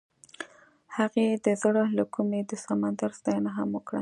هغې د زړه له کومې د سمندر ستاینه هم وکړه.